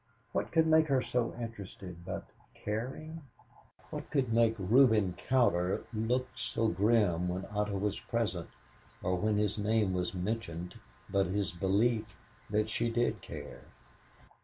What could make her so interested but caring? What could make Reuben Cowder look so grim when Otto was present or when his name was mentioned but his belief that she did care?